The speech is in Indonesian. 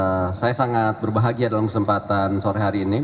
sama jajaran dpb saya sangat berbahagia dalam kesempatan sore hari ini